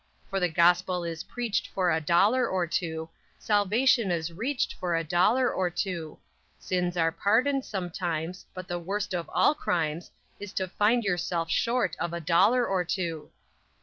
For the gospel is preached for a dollar or two, Salvation is reached for a dollar or two; Sins are pardoned, sometimes, but the worst of all crimes Is to find yourself short of a dollar or two!